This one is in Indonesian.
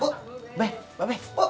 ya mbak abe